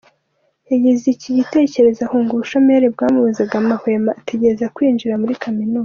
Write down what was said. Yagize iki gitekerezo ahunga ubushomeri bwamubuzaga amahwemo ategereje kwinjira muri Kaminuza.